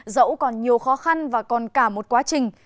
dẫu còn nhiều khó khăn và còn cả một quá trình